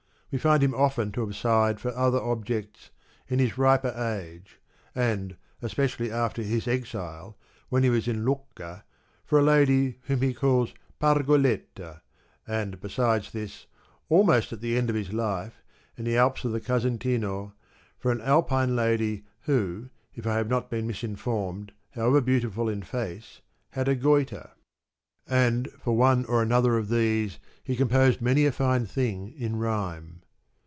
We find him often to have sighed for other objects, in his riper age ; and especially after his exile, when he was in Lucca, for a lady whom he calls Pargoletta, and besides this, almost at the end of his life, in the Alps of the Casentino, for an Alpine lady who, if I have not been misinformed, however beautiful in face had a goitre. And for one or another of these, he composed many a fine thing in rhyme."